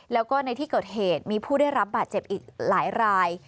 แล้วก็ในที่เกิดเหตุมีผู้ได้รับบาดเจ็บอีกหลายราย